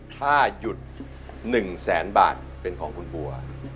ถ้าหยุด๑แสนบาทเป็นของคุณบัว